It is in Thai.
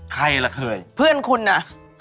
ใครล่ะเคยเพื่อนคุณน่ะ